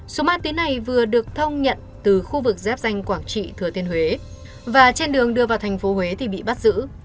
số ma túy này vừa được thông nhận từ khu vực dép danh quảng trị thừa thiên huế và trên đường đưa vào tp huế thì bị bắt giữ